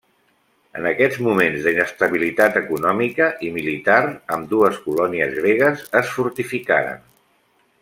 En aquests moments d'inestabilitat econòmica i militar ambdues colònies gregues es fortificaren.